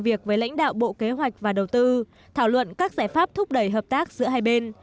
việc với lãnh đạo bộ kế hoạch và đầu tư thảo luận các giải pháp thúc đẩy hợp tác giữa hai bên